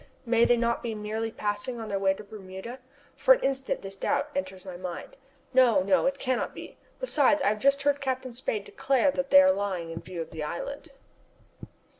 May they not be merely passing on their way to Bermuda? For an instant this doubt enters my mind. No, no, it cannot be! Besides, I have just heard Captain Spade declare that they are lying to in view of the island.